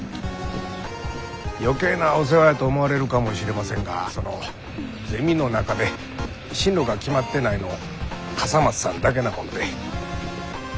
余計なお世話やと思われるかもしれませんがそのゼミの中で進路が決まってないの笠松さんだけなもんで。